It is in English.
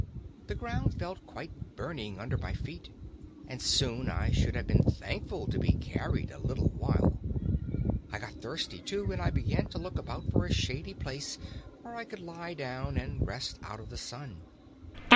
The ground felt quite burning under my feet, and soon I should have been thankful to be carried a little while. I got thirsty too, and I began to look about for a shady place where I could lie down and rest out of the sun.